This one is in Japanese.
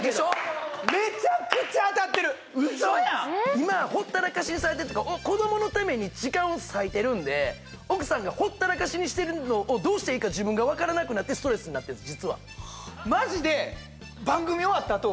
今はほったらかしにされてるというか子どものために時間を割いてるんで奥様がほったらかしにしてるのをどうしたらいいか自分がわからなくなってストレスになってるんです